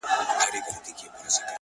داسې خبرې خو د دې دُنيا سړی نه کوي”